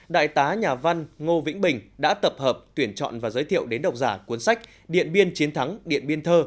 đại tá nhà văn ngô vĩnh bình đã tập hợp tuyển chọn và giới thiệu đến độc giả cuốn sách điện biên chiến thắng điện biên thơ